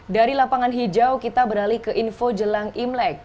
dari lapangan hijau kita beralih ke info jelang imlek